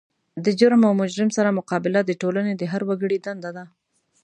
د جرم او مجرم سره مقابله د ټولنې د هر وګړي دنده ده.